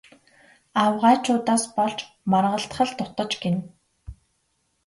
Авгайчуудаас болж маргалдах л дутаж гэнэ.